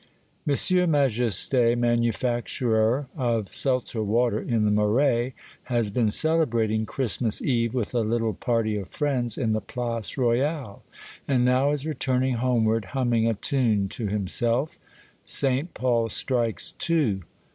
M. Majeste, manufacturer of seltzer water in the Marais, has been celebrating Christmas eve with a little party of friends in the Place Royale, and now is returning homeward, humming a tune to himself Saint Paul strikes two.